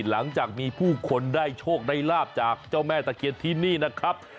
หลังจากมีผู้คนได้โชคได้ลาบจากเจ้าแม่ตะเคียนที่นี่นะครับ